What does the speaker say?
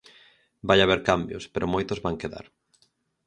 Vai haber cambios, pero moitos van quedar.